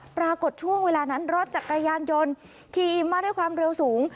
ปรากฏช่วงเวลานั้นรถจักรยานยนต์ขี่มาด้วยความเร็วสูง